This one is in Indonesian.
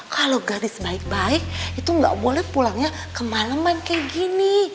kalau gadis baik baik itu nggak boleh pulangnya kemaleman kayak gini